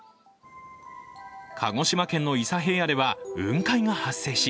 鹿児島県の伊佐平野では雲海が発生し